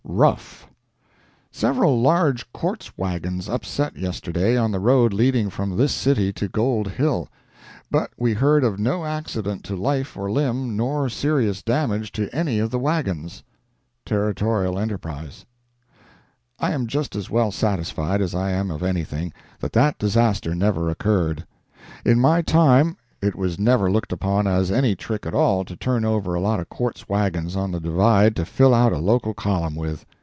ROUGH.—Several large quartz wagons upset yesterday on the road leading from this city to Gold Hill, but we heard of no accident to life or limb nor serious damage to any of the wagons.—Territorial Enterprise. I am just as well satisfied as I am of anything, that that disaster never occurred. In my time it was never looked upon as any trick at all to turn over a lot of quartz wagons on the Divide to fill out a local column with.